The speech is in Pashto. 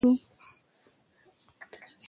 موږ ټول لرو.